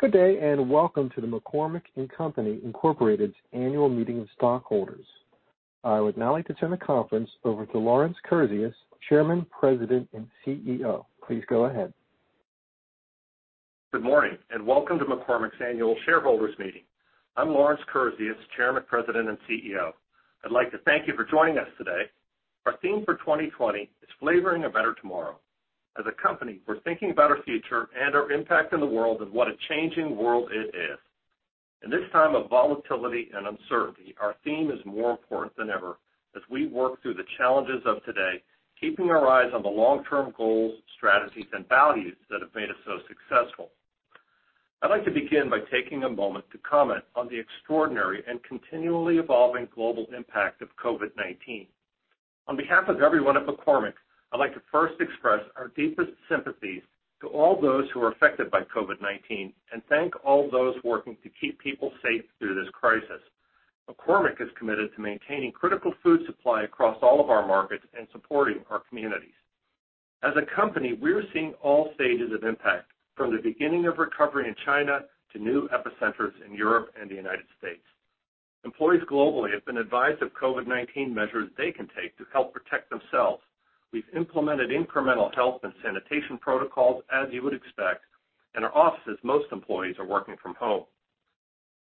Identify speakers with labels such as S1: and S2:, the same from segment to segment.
S1: Good day, and welcome to the McCormick & Company, Incorporated annual meeting of stockholders. I would now like to turn the conference over to Lawrence Kurzius, Chairman, President, and CEO. Please go ahead.
S2: Good morning, welcome to McCormick's annual shareholders' meeting. I'm Lawrence Kurzius, Chairman, President, and CEO. I'd like to thank you for joining us today. Our theme for 2020 is Flavoring a Better Tomorrow. As a company, we're thinking about our future and our impact in the world, and what a changing world it is. In this time of volatility and uncertainty, our theme is more important than ever as we work through the challenges of today, keeping our eyes on the long-term goals, strategies, and values that have made us so successful. I'd like to begin by taking a moment to comment on the extraordinary and continually evolving global impact of COVID-19. On behalf of everyone at McCormick, I'd like to first express our deepest sympathies to all those who are affected by COVID-19 and thank all those working to keep people safe through this crisis. McCormick is committed to maintaining critical food supply across all of our markets and supporting our communities. As a company, we're seeing all stages of impact, from the beginning of recovery in China to new epicenters in Europe and the United States. Employees globally have been advised of COVID-19 measures they can take to help protect themselves. We've implemented incremental health and sanitation protocols as you would expect, in our offices, most employees are working from home.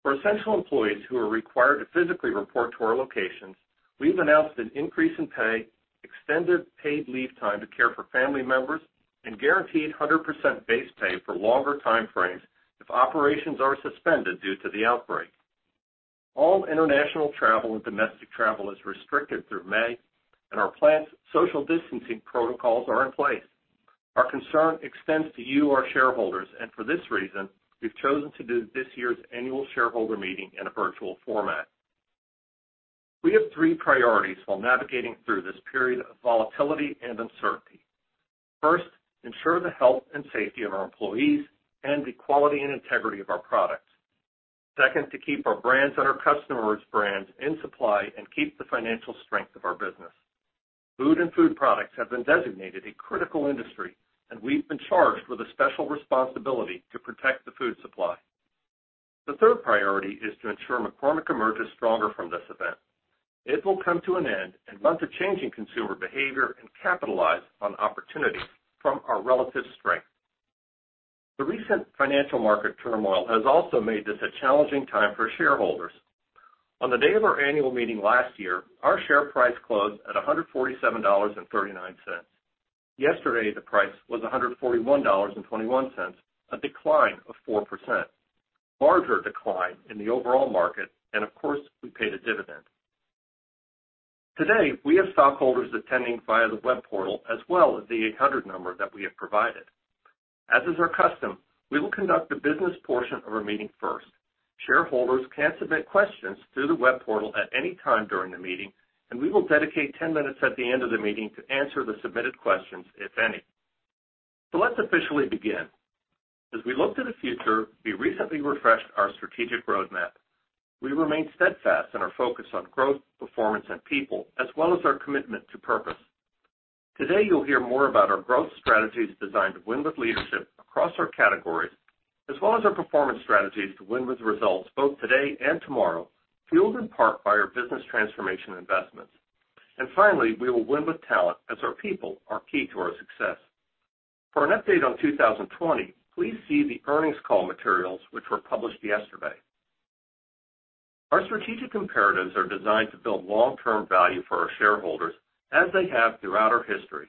S2: For essential employees who are required to physically report to our locations, we've announced an increase in pay, extended paid leave time to care for family members, and guaranteed 100% base pay for longer time frames if operations are suspended due to the outbreak. All international travel and domestic travel is restricted through May, our planned social distancing protocols are in place. Our concern extends to you, our shareholders, and for this reason, we've chosen to do this year's annual shareholder meeting in a virtual format. We have three priorities while navigating through this period of volatility and uncertainty. First, ensure the health and safety of our employees and the quality and integrity of our products. Second, to keep our brands and our customers' brands in supply and keep the financial strength of our business. Food and food products have been designated a critical industry, and we've been charged with a special responsibility to protect the food supply. The third priority is to ensure McCormick emerges stronger from this event. It will come to an end amidst a changing consumer behavior and capitalize on opportunity from our relative strength. The recent financial market turmoil has also made this a challenging time for shareholders. On the day of our annual meeting last year, our share price closed at $147.39. Yesterday, the price was $141.21, a decline of 4%, larger decline in the overall market, and of course, we paid a dividend. Today, we have stockholders attending via the web portal, as well as the 800 number that we have provided. As is our custom, we will conduct the business portion of our meeting first. Shareholders can submit questions through the web portal at any time during the meeting, and we will dedicate 10 minutes at the end of the meeting to answer the submitted questions, if any. Let's officially begin. As we look to the future, we recently refreshed our strategic roadmap. We remain steadfast in our focus on growth, performance, and people, as well as our commitment to purpose. Today, you'll hear more about our growth strategies designed to win with leadership across our categories, as well as our performance strategies to win with results both today and tomorrow, fueled in part by our business transformation investments. Finally, we will win with talent as our people are key to our success. For an update on 2020, please see the earnings call materials, which were published yesterday. Our strategic imperatives are designed to build long-term value for our shareholders as they have throughout our history.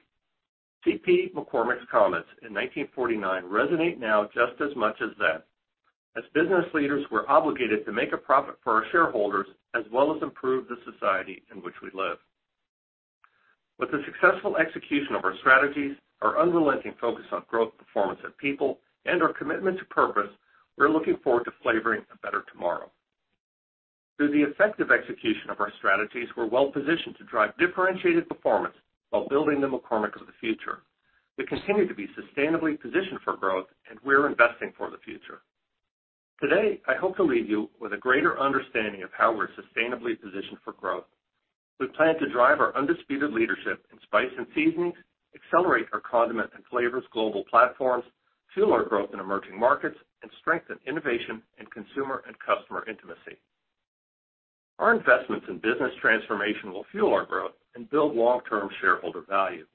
S2: C.P. McCormick's comments in 1949 resonate now just as much as then, as business leaders were obligated to make a profit for our shareholders as well as improve the society in which we live. With the successful execution of our strategies, our unrelenting focus on growth, performance of people, and our commitment to purpose, we're looking forward to flavoring a better tomorrow. Through the effective execution of our strategies, we're well-positioned to drive differentiated performance while building the McCormick of the future. We continue to be sustainably positioned for growth, and we're investing for the future. Today, I hope to leave you with a greater understanding of how we're sustainably positioned for growth. We plan to drive our undisputed leadership in spice and seasonings, accelerate our condiment and flavors global platforms, fuel our growth in emerging markets, and strengthen innovation in consumer and customer intimacy. Our investments in business transformation will fuel our growth and build long-term shareholder value.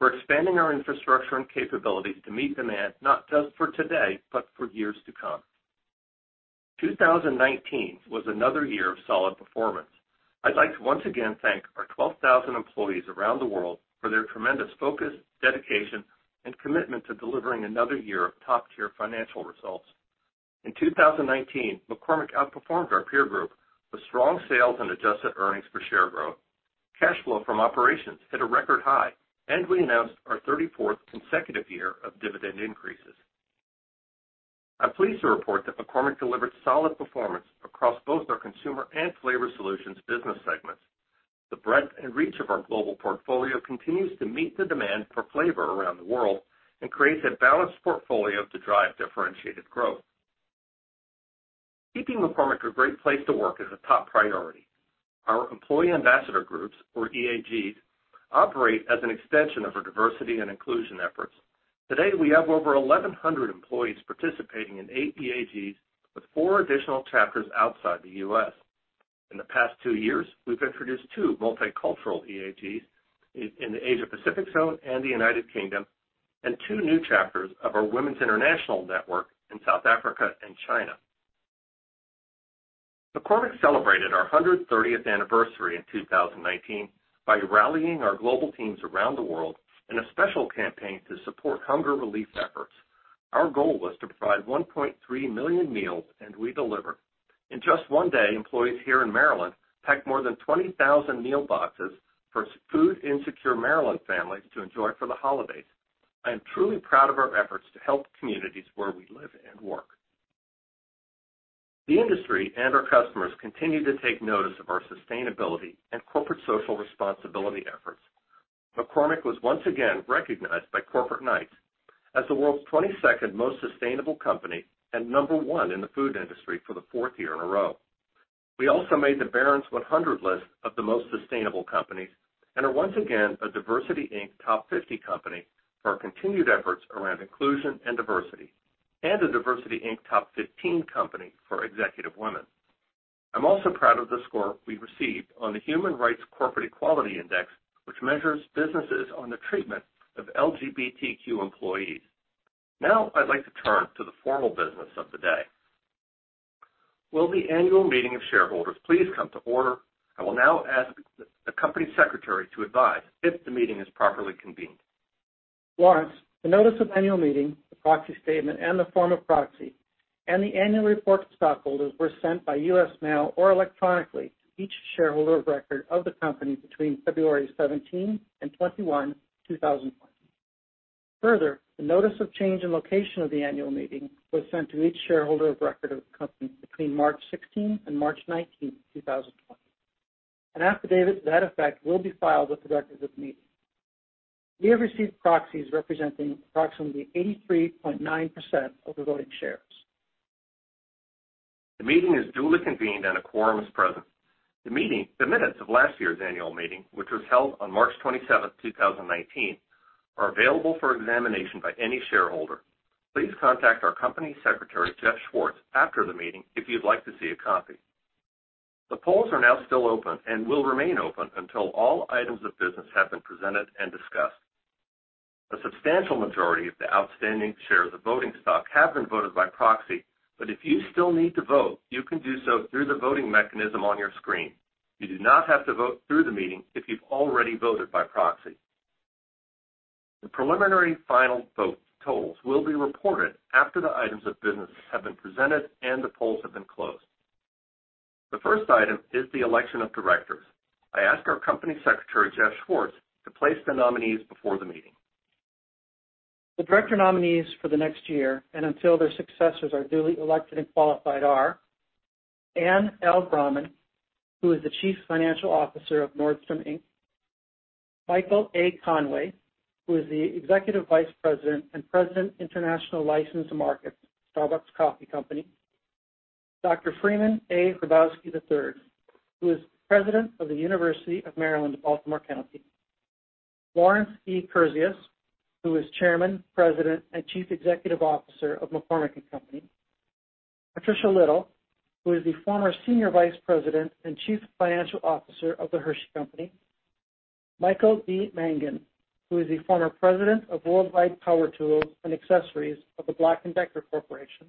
S2: We're expanding our infrastructure and capabilities to meet demand not just for today but for years to come. 2019 was another year of solid performance. I'd like to once again thank our 12,000 employees around the world for their tremendous focus, dedication, and commitment to delivering another year of top-tier financial results. In 2019, McCormick outperformed our peer group with strong sales and adjusted earnings per share growth. Cash flow from operations hit a record high. We announced our 34th consecutive year of dividend increases. I'm pleased to report that McCormick delivered solid performance across both our Consumer and Flavor Solutions business segments. The breadth and reach of our global portfolio continues to meet the demand for flavor around the world and creates a balanced portfolio to drive differentiated growth. Keeping McCormick a great place to work is a top priority. Our employee ambassador groups, or EAGs, operate as an extension of our diversity and inclusion efforts. Today, we have over 1,100 employees participating in eight EAGs with four additional chapters outside the U.S. In the past two years, we've introduced two multicultural EAGs in the Asia-Pacific Zone and the United Kingdom, and two new chapters of our Women's International Network in South Africa and China. McCormick celebrated our 130th anniversary in 2019 by rallying our global teams around the world in a special campaign to support hunger relief efforts. Our goal was to provide 1.3 million meals, and we delivered. In just one day, employees here in Maryland packed more than 20,000 meal boxes for food-insecure Maryland families to enjoy for the holidays. I am truly proud of our efforts to help communities where we live and work. The industry and our customers continue to take notice of our sustainability and corporate social responsibility efforts. McCormick was once again recognized by Corporate Knights as the world's 22nd most sustainable company and number one in the food industry for the fourth year in a row. We also made the Barron's 100 list of the most sustainable companies and are once again a DiversityInc Top 50 company for our continued efforts around inclusion and diversity and a DiversityInc Top 15 company for executive women. I'm also proud of the score we received on the Human Rights Campaign Corporate Equality Index, which measures businesses on the treatment of LGBTQ employees. I'd like to turn to the formal business of the day. Will the annual meeting of shareholders please come to order? I will now ask the company secretary to advise if the meeting is properly convened.
S3: Lawrence, the notice of annual meeting, the proxy statement, and the form of proxy, and the annual report to stockholders were sent by U.S. mail or electronically to each shareholder of record of the company between February 17 and 21, 2020. Further the notice of change in location of the annual meeting was sent to each shareholder of record of the company between March 16 and March 19, 2020. An affidavit to that effect will be filed with the directors of the meeting. We have received proxies representing approximately 83.9% of the voting shares.
S2: The meeting is duly convened and a quorum is present. The minutes of last year's annual meeting, which was held on March 27th, 2019, are available for examination by any shareholder. Please contact our company secretary, Jeff Schwartz, after the meeting if you'd like to see a copy. The polls are now still open and will remain open until all items of business have been presented and discussed. A substantial majority of the outstanding shares of voting stock have been voted by proxy, but if you still need to vote, you can do so through the voting mechanism on your screen. You do not have to vote through the meeting if you've already voted by proxy. The preliminary final vote totals will be reported after the items of business have been presented and the polls have been closed. The first item is the election of directors. I ask our Company Secretary, Jeff Schwartz, to place the nominees before the meeting.
S3: The director nominees for the next year and until their successors are duly elected and qualified are Anne L. Bramman, who is the Chief Financial Officer of Nordstrom, Inc., Michael A. Conway, who is the Executive Vice President and President, International Licensed Markets, Starbucks Coffee Company, Dr. Freeman A. Hrabowski III, who is the President of the University of Maryland, Baltimore County, Lawrence E. Kurzius, who is Chairman, President, and Chief Executive Officer of McCormick & Company, Patricia Little, who is the former Senior Vice President and Chief Financial Officer of The Hershey Company, Michael D. Mangan, who is the former President of Worldwide Power Tools and Accessories of The Black & Decker Corporation,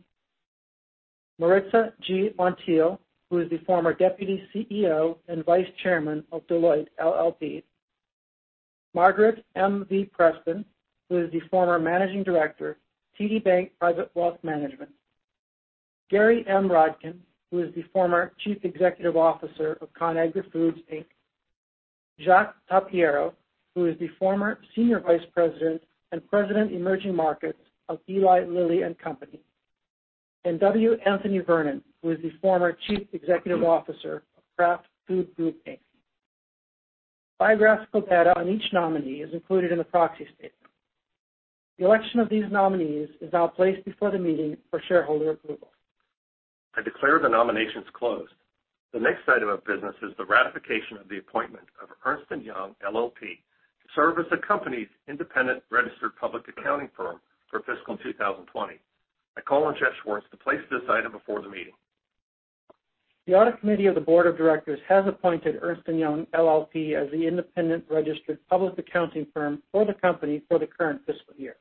S3: Maritza G. Montiel, who is the former Deputy CEO and Vice Chairman of Deloitte LLP, Margaret M. V. Preston, who is the former Managing Director, TD Wealth Private Wealth Management. Gary M. Rodkin, who is the former Chief Executive Officer of Conagra Foods, Inc., Jacques Tapiero, who is the former Senior Vice President and President, Emerging Markets of Eli Lilly and Company, and W. Anthony Vernon, who is the former Chief Executive Officer of Kraft Foods Group, Inc. Biographical data on each nominee is included in the proxy statement. The election of these nominees is now placed before the meeting for shareholder approval.
S2: I declare the nominations closed. The next item of business is the ratification of the appointment of Ernst & Young LLP to serve as the company's independent registered public accounting firm for fiscal 2020. I call on Jeff Schwartz to place this item before the meeting.
S3: The Audit Committee of the Board of Directors has appointed Ernst & Young LLP as the independent registered public accounting firm for the company for the current fiscal year.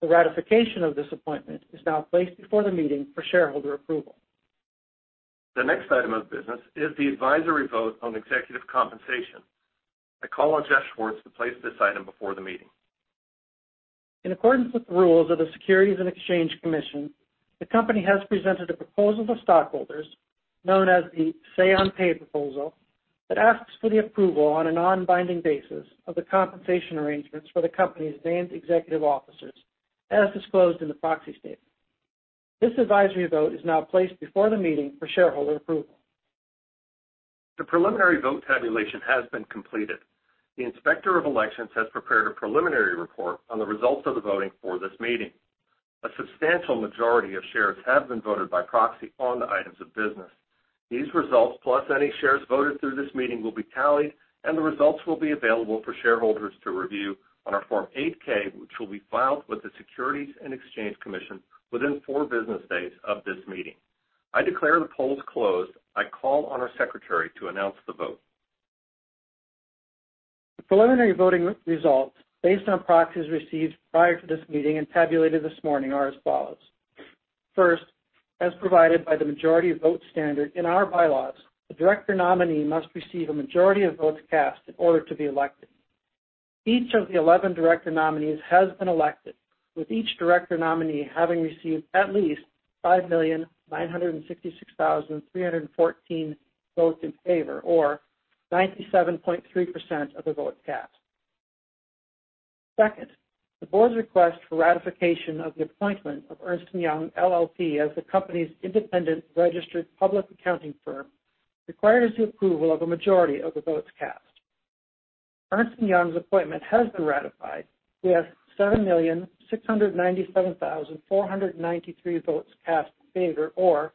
S3: The ratification of this appointment is now placed before the meeting for shareholder approval.
S2: The next item of business is the advisory vote on executive compensation. I call on Jeff Schwartz to place this item before the meeting.
S3: In accordance with the rules of the Securities and Exchange Commission, the company has presented a proposal to stockholders known as the Say on Pay proposal that asks for the approval on a non-binding basis of the compensation arrangements for the company's named executive officers as disclosed in the proxy statement. This advisory vote is now placed before the meeting for shareholder approval.
S2: The preliminary vote tabulation has been completed. The Inspector of Elections has prepared a preliminary report on the results of the voting for this meeting. A substantial majority of shares have been voted by proxy on the items of business. These results, plus any shares voted through this meeting, will be tallied, and the results will be available for shareholders to review on our Form 8-K, which will be filed with the Securities and Exchange Commission within four business days of this meeting. I declare the polls closed. I call on our secretary to announce the vote.
S3: The preliminary voting results, based on proxies received prior to this meeting and tabulated this morning, are as follows. First, as provided by the majority vote standard in our bylaws, the director nominee must receive a majority of votes cast in order to be elected. Each of the 11 director nominees has been elected, with each director nominee having received at least 5,966,314 votes in favor, or 97.3% of the votes cast. Second, the board's request for ratification of the appointment of Ernst & Young LLP as the company's independent registered public accounting firm requires the approval of a majority of the votes cast. Ernst & Young's appointment has been ratified with 7,697,493 votes cast in favor, or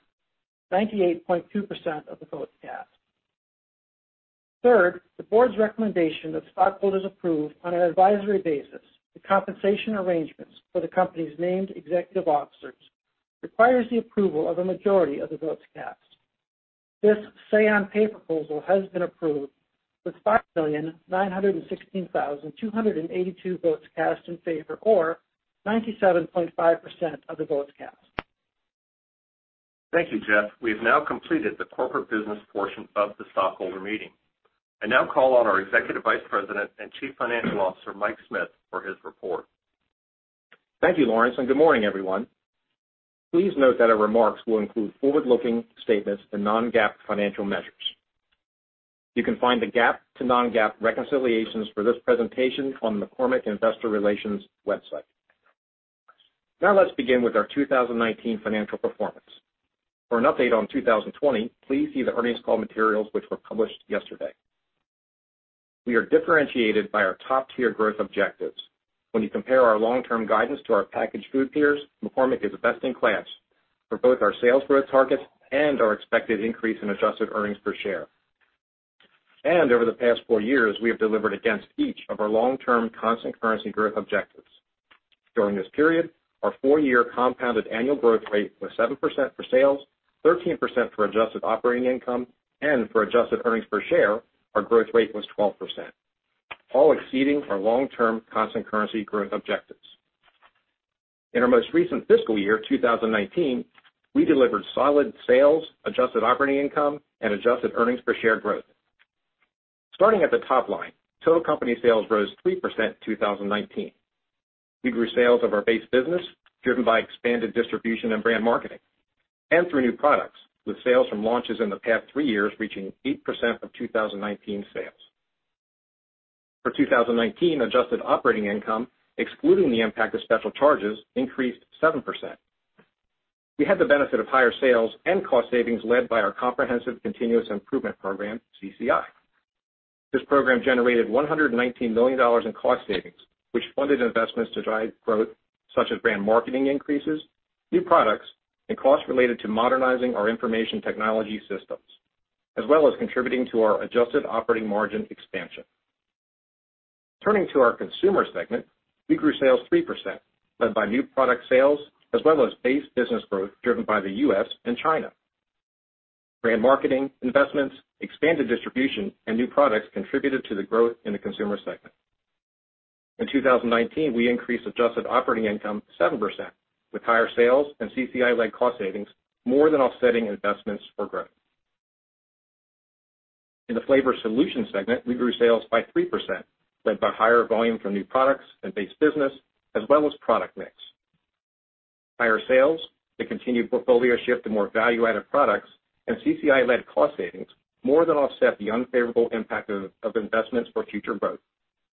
S3: 98.2% of the votes cast. Third, the board's recommendation that stockholders approve, on an advisory basis, the compensation arrangements for the company's named executive officers requires the approval of a majority of the votes cast. This Say on Pay proposal has been approved with 5,916,282 votes cast in favor, or 97.5% of the votes cast.
S2: Thank you, Jeff. We have now completed the corporate business portion of the stockholder meeting. I now call on our Executive Vice President and Chief Financial Officer, Mike Smith, for his report.
S4: Thank you, Lawrence, and good morning, everyone. Please note that our remarks will include forward-looking statements and non-GAAP financial measures. You can find the GAAP to non-GAAP reconciliations for this presentation on the McCormick investor relations website. Now let's begin with our 2019 financial performance. For an update on 2020, please see the earnings call materials, which were published yesterday. We are differentiated by our top-tier growth objectives. When you compare our long-term guidance to our packaged food peers, McCormick is best in class for both our sales growth targets and our expected increase in adjusted earnings per share. Over the past four years, we have delivered against each of our long-term constant currency growth objectives. During this period, our four-year compounded annual growth rate was 7% for sales, 13% for adjusted operating income, and for adjusted earnings per share, our growth rate was 12%, all exceeding our long-term constant currency growth objectives. In our most recent fiscal year, 2019, we delivered solid sales, adjusted operating income, and adjusted earnings per share growth. Starting at the top line, total company sales rose 3% in 2019. We grew sales of our base business, driven by expanded distribution and brand marketing and through new products, with sales from launches in the past three years reaching 8% of 2019 sales. For 2019, adjusted operating income, excluding the impact of special charges, increased 7%. We had the benefit of higher sales and cost savings led by our comprehensive continuous improvement program, CCI. This program generated $119 million in cost savings, which funded investments to drive growth, such as brand marketing increases, new products, and costs related to modernizing our information technology systems, as well as contributing to our adjusted operating margin expansion. Turning to our Consumer segment, we grew sales 3%, led by new product sales as well as base business growth driven by the U.S. and China. Brand marketing investments, expanded distribution, and new products contributed to the growth in the Consumer segment. In 2019, we increased adjusted operating income 7%, with higher sales and CCI-led cost savings more than offsetting investments for growth. In the Flavor Solution segment, we grew sales by 3%, led by higher volume from new products and base business, as well as product mix. Higher sales, the continued portfolio shift to more value-added products, and CCI-led cost savings more than offset the unfavorable impact of investments for future growth,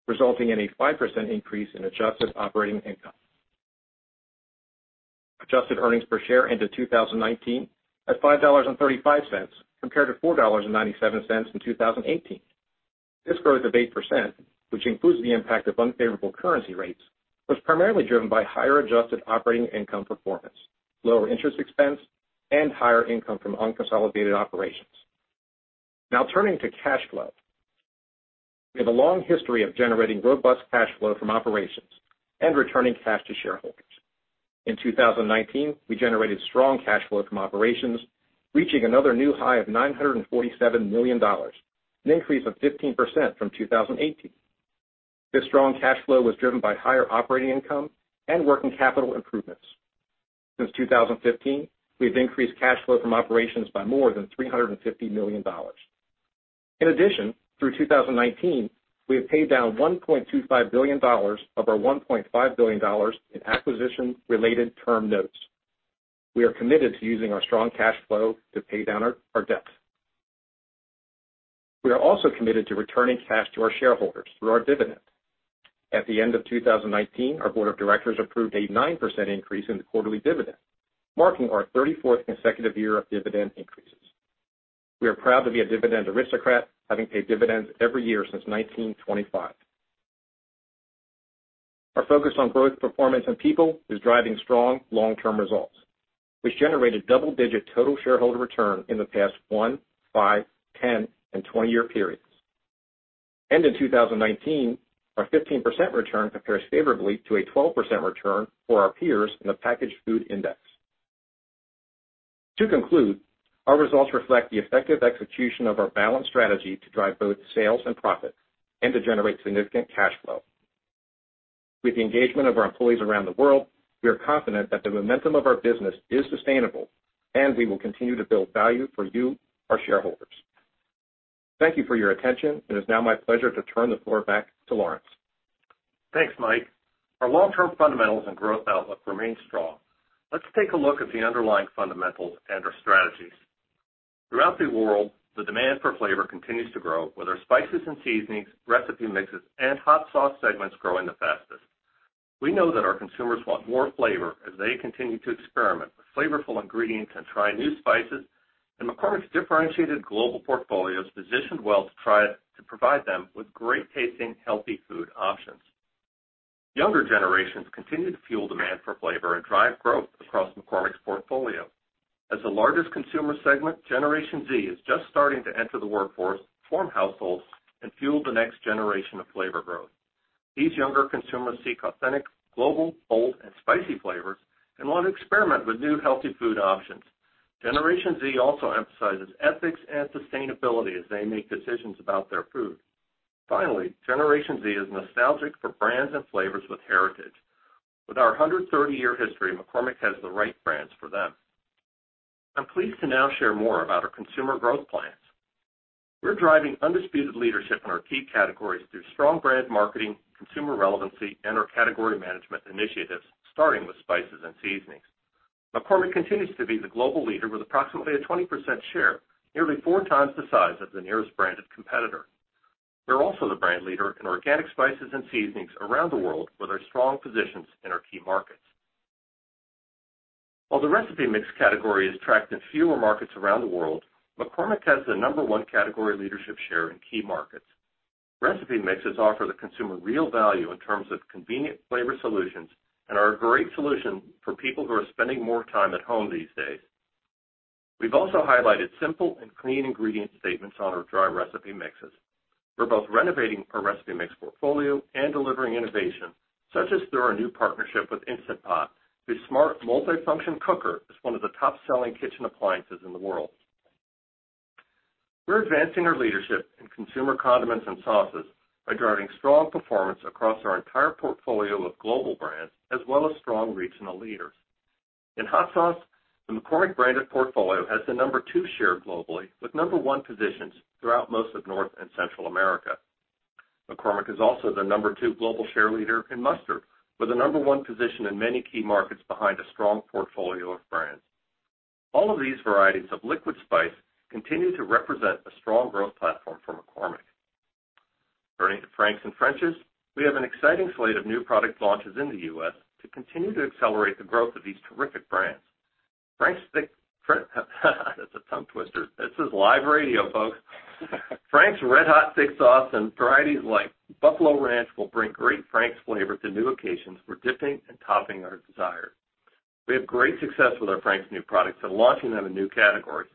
S4: resulting in a 5% increase in adjusted operating income. Adjusted earnings per share ended 2019 at $5.35, compared to $4.97 in 2018. This growth of 8%, which includes the impact of unfavorable currency rates, was primarily driven by higher adjusted operating income performance, lower interest expense, and higher income from unconsolidated operations. Now turning to cash flow. We have a long history of generating robust cash flow from operations and returning cash to shareholders. In 2019, we generated strong cash flow from operations, reaching another new high of $947 million, an increase of 15% from 2018. This strong cash flow was driven by higher operating income and working capital improvements. Since 2015, we've increased cash flow from operations by more than $350 million. In addition, through 2019, we have paid down $1.25 billion of our $1.5 billion in acquisition-related term notes. We are committed to using our strong cash flow to pay down our debt. We are also committed to returning cash to our shareholders through our dividend. At the end of 2019, our board of directors approved a 9% increase in the quarterly dividend, marking our 34th consecutive year of dividend increases. We are proud to be a dividend aristocrat, having paid dividends every year since 1925. Our focus on growth, performance, and people is driving strong long-term results, which generated double-digit total shareholder return in the past one, five, 10, and 20-year periods. In 2019, our 15% return compares favorably to a 12% return for our peers in the packaged food index. To conclude, our results reflect the effective execution of our balanced strategy to drive both sales and profit and to generate significant cash flow. With the engagement of our employees around the world, we are confident that the momentum of our business is sustainable, and we will continue to build value for you, our shareholders. Thank you for your attention. It is now my pleasure to turn the floor back to Lawrence.
S2: Thanks, Mike. Our long-term fundamentals and growth outlook remain strong. Let's take a look at the underlying fundamentals and our strategies. Throughout the world, the demand for flavor continues to grow, with our spices and seasonings, recipe mixes, and hot sauce segments growing the fastest. We know that our consumers want more flavor as they continue to experiment with flavorful ingredients and try new spices, and McCormick's differentiated global portfolio is positioned well to provide them with great-tasting, healthy food options. Younger generations continue to fuel demand for flavor and drive growth across McCormick's portfolio. As the largest consumer segment, Generation Z is just starting to enter the workforce, form households, and fuel the next generation of flavor growth. These younger consumers seek authentic, global, bold, and spicy flavors and want to experiment with new healthy food options. Generation Z also emphasizes ethics and sustainability as they make decisions about their food. Finally, Generation Z is nostalgic for brands and flavors with heritage. With our 130-year history, McCormick has the right brands for them. I'm pleased to now share more about our consumer growth plans. We're driving undisputed leadership in our key categories through strong brand marketing, consumer relevancy, and our category management initiatives, starting with spices and seasonings. McCormick continues to be the global leader with approximately a 20% share, nearly four times the size of the nearest branded competitor. We're also the brand leader in organic spices and seasonings around the world, with our strong positions in our key markets. While the recipe mix category is tracked in fewer markets around the world, McCormick has the number one category leadership share in key markets. Recipe mixes offer the consumer real value in terms of convenient flavor solutions and are a great solution for people who are spending more time at home these days. We've also highlighted simple and clean ingredient statements on our dry recipe mixes. We're both renovating our recipe mix portfolio and delivering innovation, such as through our new partnership with Instant Pot, the smart multifunction cooker that's one of the top-selling kitchen appliances in the world. We're advancing our leadership in consumer condiments and sauces by driving strong performance across our entire portfolio of global brands, as well as strong regional leaders. In hot sauce, the McCormick branded portfolio has the number two share globally, with number one positions throughout most of North and Central America. McCormick is also the number two global share leader in mustard, with a number one position in many key markets behind a strong portfolio of brands. All of these varieties of liquid spice continue to represent a strong growth platform for McCormick. Turning to Frank's and French's, we have an exciting slate of new product launches in the U.S. to continue to accelerate the growth of these terrific brands. That's a tongue twister. This is live radio, folks. Frank's RedHot thick sauce and varieties like Buffalo Ranch will bring great Frank's flavor to new occasions for dipping and topping or a desire. We have great success with our Frank's new products and launching them in new categories.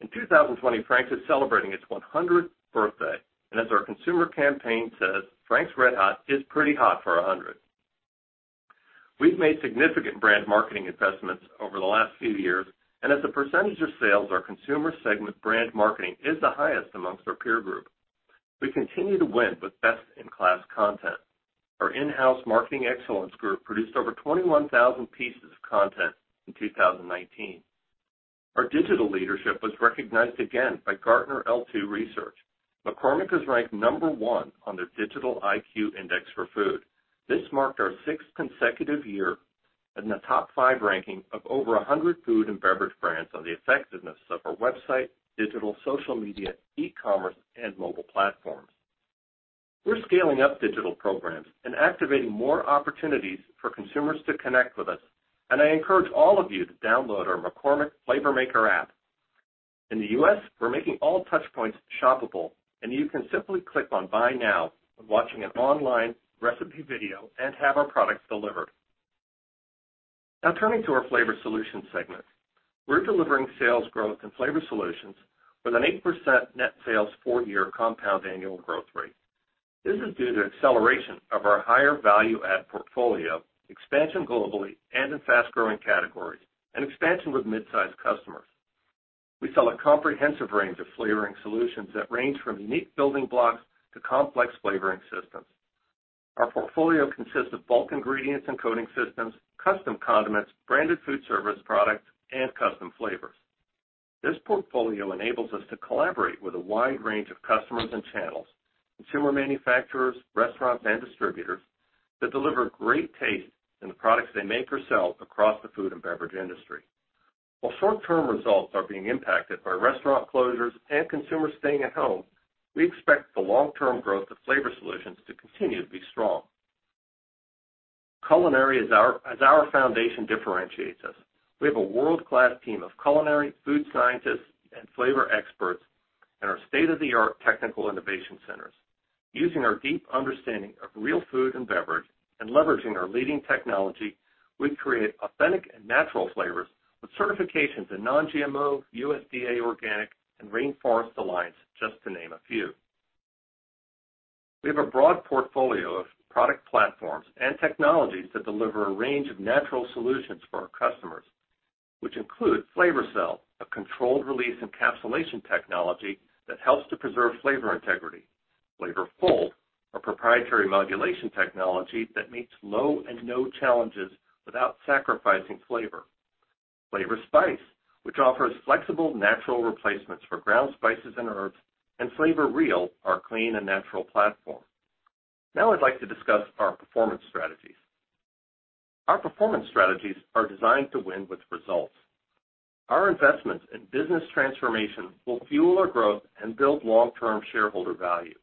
S2: In 2020, Frank's is celebrating its 100th birthday. As our consumer campaign says, "Frank's RedHot is pretty hot for 100." We've made significant brand marketing investments over the last few years. As a percentage of sales, our consumer segment brand marketing is the highest amongst our peer group. We continue to win with best-in-class content. Our in-house marketing excellence group produced over 21,000 pieces of content in 2019. Our digital leadership was recognized again by Gartner L2. McCormick is ranked number one on their Digital IQ Index for food. This marked our sixth consecutive year in the top five ranking of over 100 food and beverage brands on the effectiveness of our website, digital, social media, e-commerce, and mobile platforms. We're scaling up digital programs and activating more opportunities for consumers to connect with us. I encourage all of you to download our McCormick Flavor Maker app. In the U.S., we're making all touchpoints shoppable, and you can simply click on Buy Now when watching an online recipe video and have our products delivered. Now turning to our Flavor Solutions segment. We're delivering sales growth in Flavor Solutions with an 8% net sales four-year compound annual growth rate. This is due to acceleration of our higher value-add portfolio, expansion globally and in fast-growing categories, and expansion with mid-size customers. We sell a comprehensive range of flavoring solutions that range from unique building blocks to complex flavoring systems. Our portfolio consists of bulk ingredients and coating systems, custom condiments, branded food service products, and custom flavors. This portfolio enables us to collaborate with a wide range of customers and channels, consumer manufacturers, restaurants, and distributors to deliver great taste in the products they make or sell across the food and beverage industry. While short-term results are being impacted by restaurant closures and consumers staying at home, we expect the long-term growth of flavor solutions to continue to be strong. Culinary, as our foundation differentiates us. We have a world-class team of culinary food scientists and flavor experts in our state-of-the-art technical innovation centers. Using our deep understanding of real food and beverage and leveraging our leading technology, we create authentic and natural flavors with certifications in non-GMO, USDA Organic, and Rainforest Alliance, just to name a few. We have a broad portfolio of product platforms and technologies that deliver a range of natural solutions for our customers, which include FlavorSeal, a controlled release encapsulation technology that helps to preserve flavor integrity. FlavorFold, our proprietary modulation technology that meets low and no challenges without sacrificing flavor. FlavorSpice, which offers flexible natural replacements for ground spices and herbs. FlavorReal, our clean and natural platform. I'd like to discuss our performance strategies. Our performance strategies are designed to win with results. Our investments in business transformation will fuel our growth and build long-term shareholder value.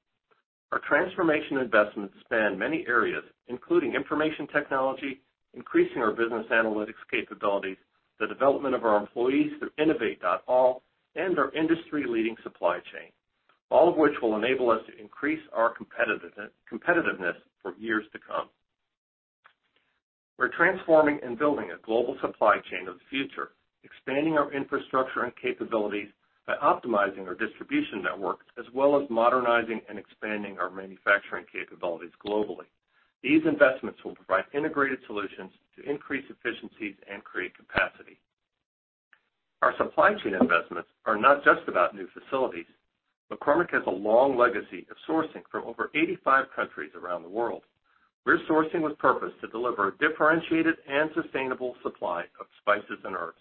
S2: Our transformation investments span many areas, including information technology, increasing our business analytics capabilities, the development of our employees through innovate.all, and our industry-leading supply chain, all of which will enable us to increase our competitiveness for years to come. We're transforming and building a global supply chain of the future, expanding our infrastructure and capabilities by optimizing our distribution network, as well as modernizing and expanding our manufacturing capabilities globally. These investments will provide integrated solutions to increase efficiencies and create capacity. Our supply chain investments are not just about new facilities. McCormick has a long legacy of sourcing from over 85 countries around the world. We're sourcing with purpose to deliver a differentiated and sustainable supply of spices and herbs.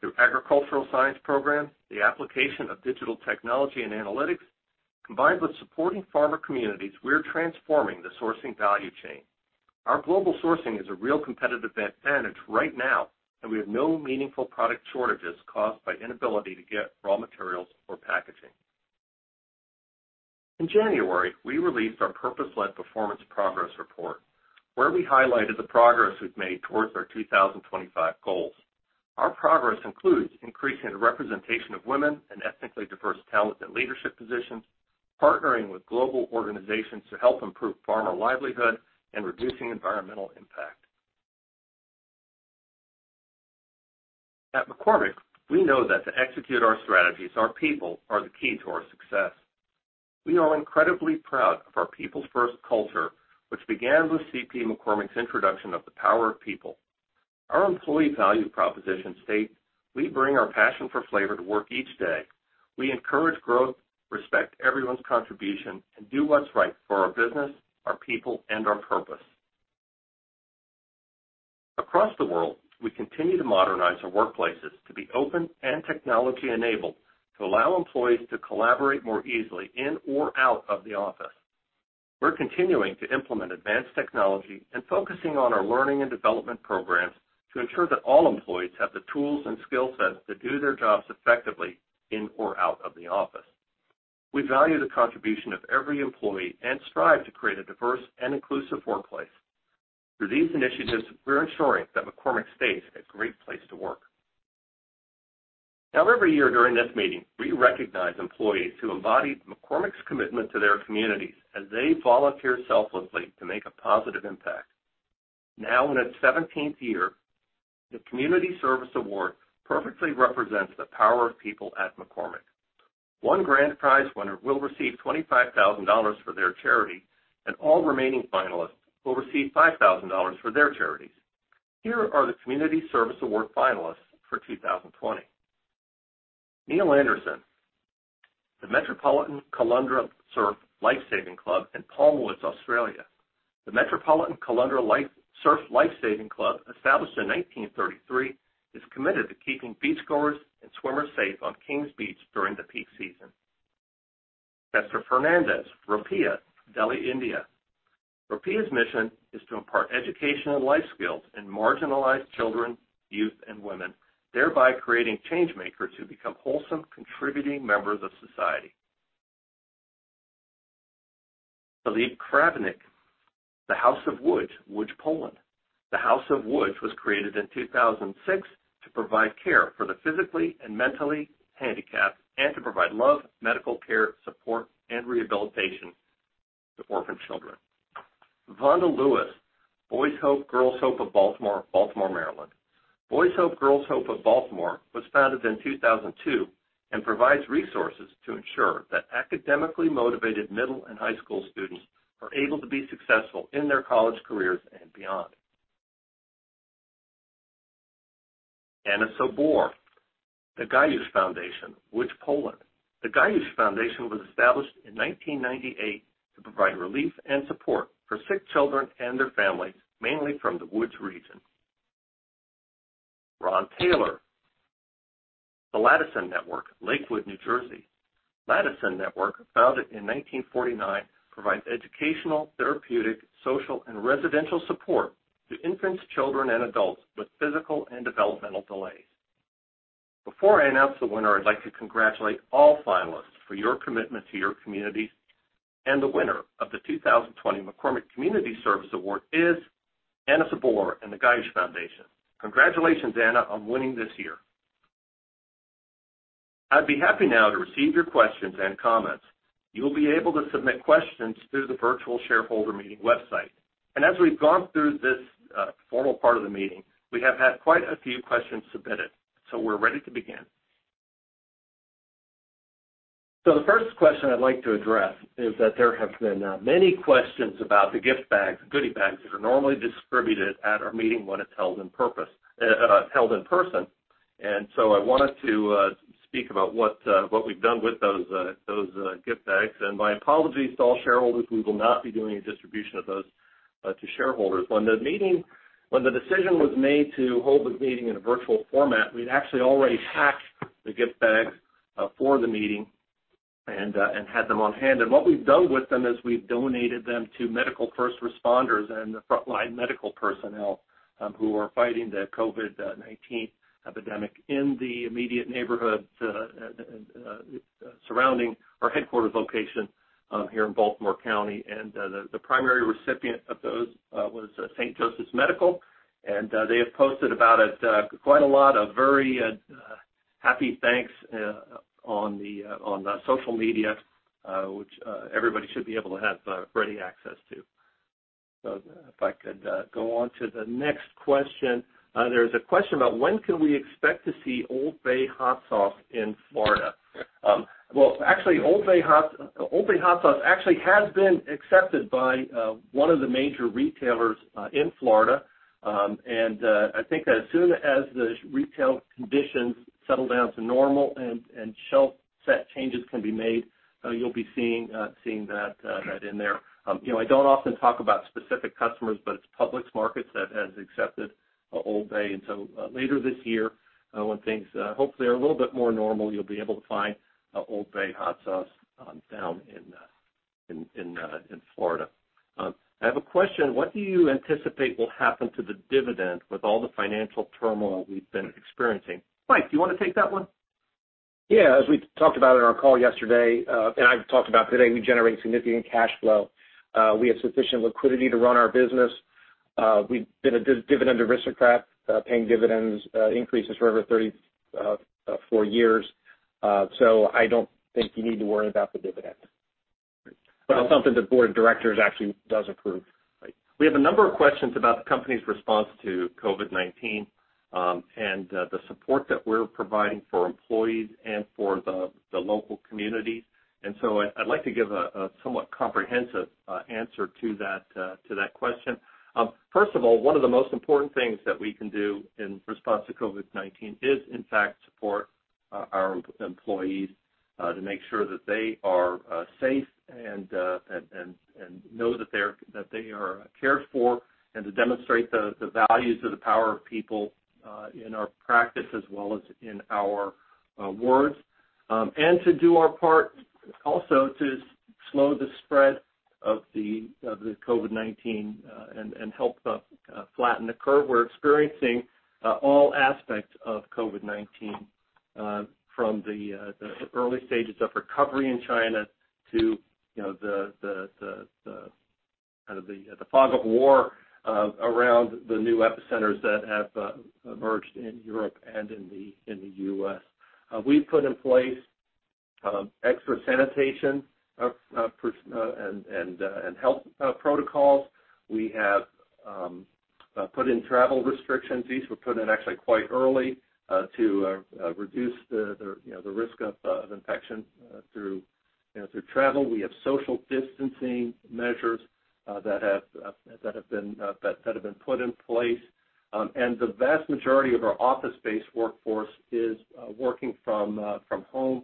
S2: Through agricultural science programs, the application of digital technology and analytics, combined with supporting farmer communities, we're transforming the sourcing value chain. Our global sourcing is a real competitive advantage right now, and we have no meaningful product shortages caused by inability to get raw materials or packaging. In January, we released our purpose-led performance progress report, where we highlighted the progress we've made towards our 2025 goals. Our progress includes increasing the representation of women and ethnically diverse talent in leadership positions, partnering with global organizations to help improve farmer livelihood, and reducing environmental impact. At McCormick, we know that to execute our strategies, our people are the key to our success. We are incredibly proud of our people's first culture, which began with C.P. McCormick's introduction of the Power of People. Our employee value proposition states, "We bring our passion for flavor to work each day. We encourage growth, respect everyone's contribution, and do what's right for our business, our people, and our purpose." Across the world, we continue to modernize our workplaces to be open and technology-enabled to allow employees to collaborate more easily in or out of the office. We're continuing to implement advanced technology and focusing on our learning and development programs to ensure that all employees have the tools and skill sets to do their jobs effectively in or out of the office. We value the contribution of every employee and strive to create a diverse and inclusive workplace. Through these initiatives, we're ensuring that McCormick stays a great place to work. Every year during this meeting, we recognize employees who embody McCormick's commitment to their communities as they volunteer selflessly to make a positive impact. In its 17th year, the Community Service Award perfectly represents the Power of People at McCormick. one grand prize winner will receive $25,000 for their charity, and all remaining finalists will receive $5,000 for their charities. Here are the Community Service Award finalists for 2020. Neil Anderson, the Metropolitan-Caloundra Surf Life Saving Club in Palmwoods, Australia. The Metropolitan-Caloundra Surf Life Saving Club, established in 1933, is committed to keeping beachgoers and swimmers safe on Kings Beach during the peak season. Esther Fernandes, Ropia, Delhi, India. Ropia's mission is to impart educational life skills in marginalized children, youth, and women, thereby creating change makers who become wholesome, contributing members of society. Filip Krawczyk, the House of Woods, Łódź, Poland. The House of Woods was created in 2006 to provide care for the physically and mentally handicapped, and to provide love, medical care, support, and rehabilitation to orphan children. Vhonda Lewis, Boys Hope Girls Hope of Baltimore, Maryland. Boys Hope Girls Hope of Baltimore was founded in 2002 and provides resources to ensure that academically motivated middle and high school students are able to be successful in their college careers and beyond. Anna Zabor, the Gajusz Foundation, Łódź, Poland. The Gajusz Foundation was established in 1998 to provide relief and support for sick children and their families, mainly from the Łódź region. Ron Taylor The LADACIN Network, Lakewood, New Jersey. LADACIN Network, founded in 1949, provides educational, therapeutic, social, and residential support to infants, children, and adults with physical and developmental delays. Before I announce the winner, I'd like to congratulate all finalists for your commitment to your communities. The winner of the 2020 McCormick Community Service Award is Anna Zabor and the Gajusz Foundation. Congratulations, Anna, on winning this year. I'd be happy now to receive your questions and comments. You'll be able to submit questions through the virtual shareholder meeting website. As we've gone through this formal part of the meeting, we have had quite a few questions submitted, so we're ready to begin. The first question I would like to address is that there have been many questions about the gift bags, the goodie bags that are normally distributed at our meeting when it is held in person. I wanted to speak about what we have done with those gift bags. My apologies to all shareholders, we will not be doing a distribution of those to shareholders. When the decision was made to hold this meeting in a virtual format, we had actually already packed the gift bags for the meeting and had them on hand. What we have done with them is we have donated them to medical first responders and the frontline medical personnel, who are fighting the COVID-19 epidemic in the immediate neighborhoods surrounding our headquarters location here in Baltimore County. The primary recipient of those was St. Joseph's Medical, and they have posted about it quite a lot, a very happy thanks on social media, which everybody should be able to have ready access to. If I could go on to the next question. There's a question about when can we expect to see Old Bay Hot Sauce in Florida? Well, actually, Old Bay Hot Sauce actually has been accepted by one of the major retailers in Florida. I think that as soon as the retail conditions settle down to normal and shelf set changes can be made, you'll be seeing that in there. I don't often talk about specific customers, but it's Publix markets that has accepted Old Bay. Later this year, when things hopefully are a little bit more normal, you'll be able to find Old Bay Hot Sauce down in Florida. I have a question. What do you anticipate will happen to the dividend with all the financial turmoil we've been experiencing? Mike, do you want to take that one?
S4: As we talked about in our call yesterday, and I've talked about today, we generate significant cash flow. We have sufficient liquidity to run our business. We've been a dividend aristocrat, paying dividends, increases for over 34 years. I don't think you need to worry about the dividend. That's something the board of directors actually does approve.
S2: We have a number of questions about the company's response to COVID-19, and the support that we're providing for employees and for the local communities. I'd like to give a somewhat comprehensive answer to that question. First of all, one of the most important things that we can do in response to COVID-19 is, in fact, support our employees, to make sure that they are safe and know that they are cared for, and to demonstrate the values of the Power of People, in our practice as well as in our words. To do our part also to slow the spread of the COVID-19, and help flatten the curve. We're experiencing all aspects of COVID-19, from the early stages of recovery in China to the fog of war around the new epicenters that have emerged in Europe and in the U.S. We've put in place extra sanitation and health protocols. We have put in travel restrictions. These were put in actually quite early, to reduce the risk of infection through travel. We have social distancing measures that have been put in place. The vast majority of our office-based workforce is working from home.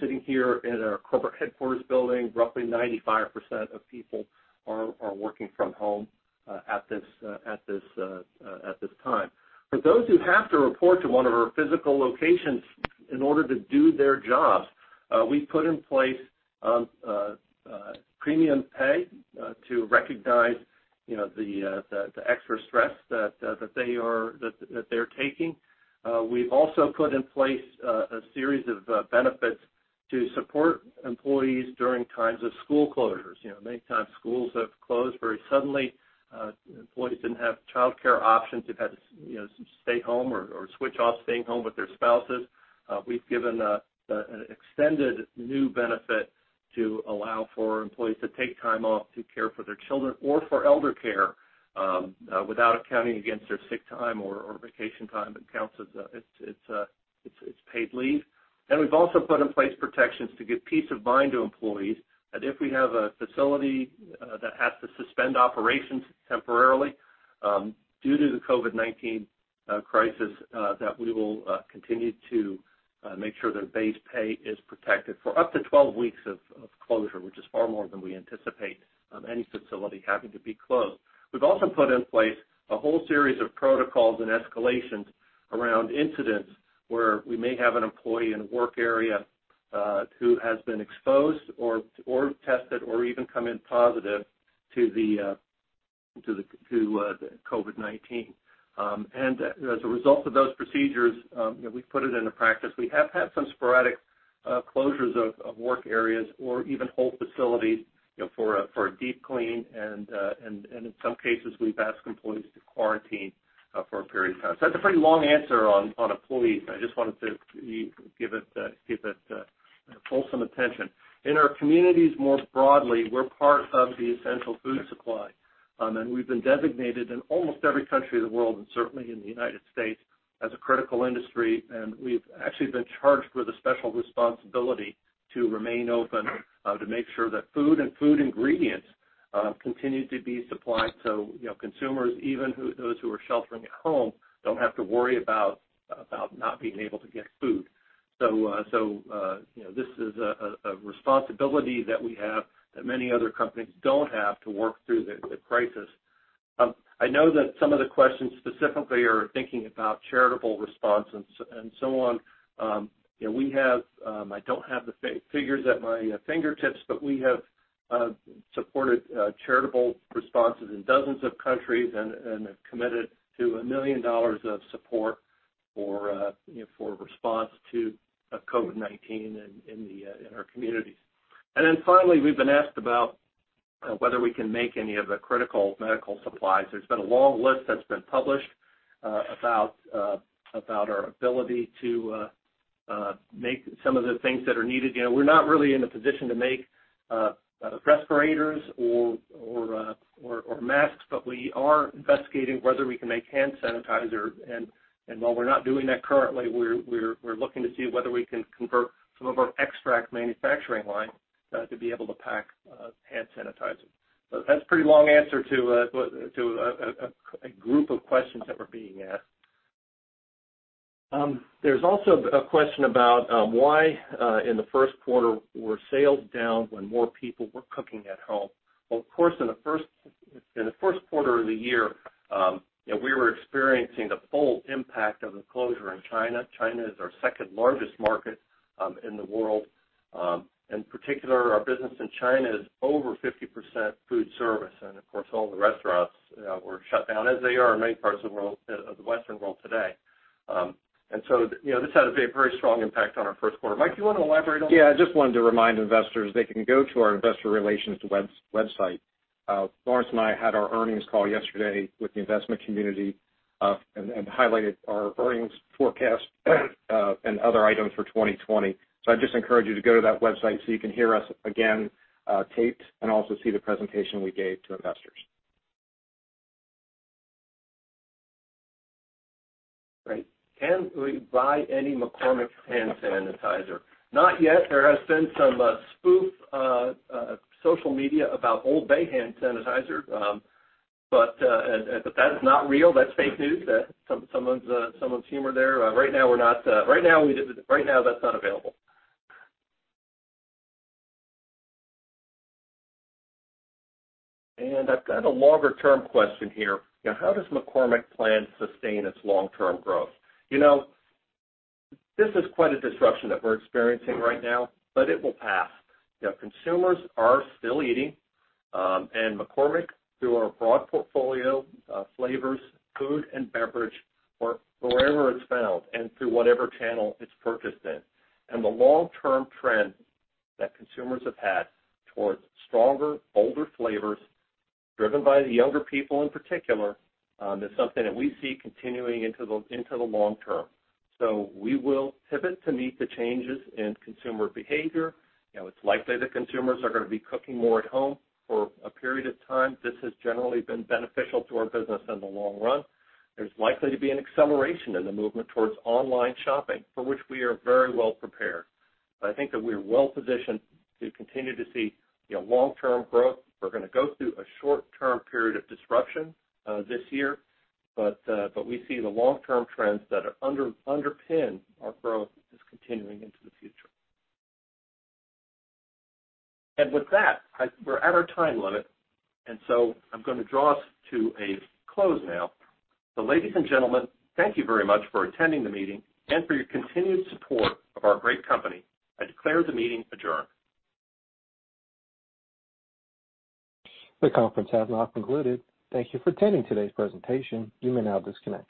S2: Sitting here in our corporate headquarters building, roughly 95% of people are working from home at this time. For those who have to report to one of our physical locations in order to do their jobs, we've put in place premium pay, to recognize the extra stress that they're taking. We've also put in place a series of benefits to support employees during times of school closures. Many times schools have closed very suddenly. Employees didn't have childcare options. They've had to stay home or switch off staying home with their spouses. We've given an extended new benefit to allow for employees to take time off to care for their children or for elder care, without it counting against their sick time or vacation time. It's paid leave. We've also put in place protections to give peace of mind to employees that if we have a facility that has to suspend operations temporarily due to the COVID-19 crisis, that we will continue to make sure their base pay is protected for up to 12 weeks of closure, which is far more than we anticipate any facility having to be closed. We've also put in place a whole series of protocols and escalations around incidents where we may have an employee in a work area who has been exposed or tested, or even come in positive to the COVID-19. As a result of those procedures, we've put it into practice. We have had some sporadic closures of work areas or even whole facilities for a deep clean and, in some cases, we've asked employees to quarantine for a period of time. That's a pretty long answer on employees. I just wanted to give it wholesome attention. In our communities more broadly, we're part of the essential food supply. We've been designated in almost every country in the world, and certainly in the U.S., as a critical industry. We've actually been charged with a special responsibility to remain open to make sure that food and food ingredients continue to be supplied so consumers, even those who are sheltering at home, don't have to worry about not being able to get food. This is a responsibility that we have that many other companies don't have to work through the crisis. I know that some of the questions specifically are thinking about charitable response and so on. I don't have the figures at my fingertips, but we have supported charitable responses in dozens of countries and have committed to $1 million of support for response to COVID-19 in our communities. Then finally, we've been asked about whether we can make any of the critical medical supplies. There's been a long list that's been published about our ability to make some of the things that are needed. We're not really in a position to make respirators or masks, but we are investigating whether we can make hand sanitizer. While we're not doing that currently, we're looking to see whether we can convert some of our extract manufacturing line to be able to pack hand sanitizer. That's a pretty long answer to a group of questions that we're being asked. There's also a question about why in the first quarter were sales down when more people were cooking at home. Well, of course, in the first quarter of the year, we were experiencing the full impact of the closure in China. China is our second largest market in the world. In particular, our business in China is over 50% food service. Of course, all the restaurants were shut down, as they are in many parts of the Western world today. This had a very strong impact on our first quarter. Mike, do you want to elaborate on that?
S4: Yeah, I just wanted to remind investors they can go to our investor relations website. Lawrence and I had our earnings call yesterday with the investment community and highlighted our earnings forecast and other items for 2020. I'd just encourage you to go to that website so you can hear us again taped and also see the presentation we gave to investors.
S2: Great. Can we buy any McCormick hand sanitizer? Not yet. There has been some spoof social media about Old Bay hand sanitizer. That is not real. That's fake news. Someone's humor there. Right now that's not available. I've got a longer-term question here. How does McCormick plan sustain its long-term growth? This is quite a disruption that we're experiencing right now, but it will pass. Consumers are still eating. McCormick, through our broad portfolio of flavors, food, and beverage, wherever it's found and through whatever channel it's purchased in. The long-term trend that consumers have had towards stronger, bolder flavors, driven by the younger people in particular, is something that we see continuing into the long term. We will pivot to meet the changes in consumer behavior. It's likely that consumers are going to be cooking more at home for a period of time. This has generally been beneficial to our business in the long run. There's likely to be an acceleration in the movement towards online shopping, for which we are very well prepared. I think that we're well positioned to continue to see long-term growth. We're going to go through a short-term period of disruption this year, but we see the long-term trends that underpin our growth as continuing into the future. With that, we're at our time limit, I'm going to draw us to a close now. Ladies and gentlemen, thank you very much for attending the meeting and for your continued support of our great company. I declare the meeting adjourned.
S1: The conference has now concluded. Thank you for attending today's presentation. You may now disconnect.